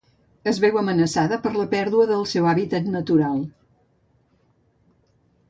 Es veu amenaçada per la pèrdua del seu hàbitat natural.